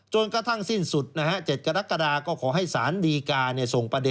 จนกระทั่งสิ้นสุด๗กรกฎาก็ขอให้สารดีการ